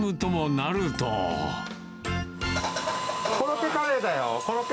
コロッケカレーだよ、コロッ